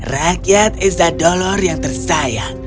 rakyat izzadolor yang tersayang